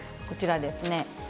こちらですね。